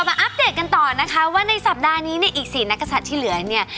อัปเดตกันต่อนะคะว่าในสัปดาห์นี้เนี่ยอีก๔นักศัตริย์ที่เหลือเนี่ย